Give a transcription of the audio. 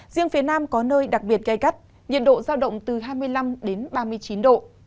riêng phía nam có nơi đặc biệt gai gắt nhiệt độ giao động từ hai mươi năm đến ba mươi chín độ